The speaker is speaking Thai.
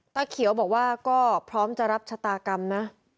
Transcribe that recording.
เขียวบอกว่าก็พร้อมจะรับชะตากรรมนะ